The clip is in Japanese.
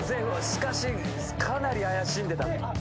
しかしかなり怪しんでた。